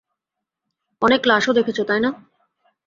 অনেক লাশও দেখেছ, তাই না?